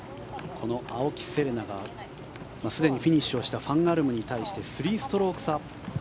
この青木瀬令奈がすでにフィニッシュをしたファン・アルムに対して３ストローク差。